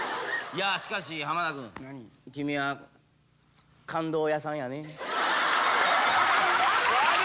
しかし、浜田君、君は感動屋さんやね。